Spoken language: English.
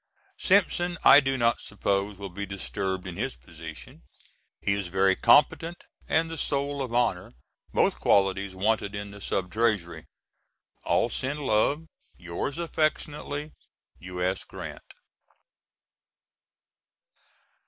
Simpson I do not suppose will be disturbed in his position. He is very competent, and the soul of honor, both qualities wanted in the Sub treasury. All send love. Yours affectionately, U.S. GRANT.